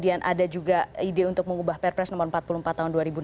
ada juga ide untuk mengubah perpres nomor empat puluh empat tahun dua ribu enam belas